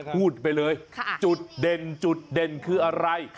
พูดไปเลยจุดเด่นคืออะไร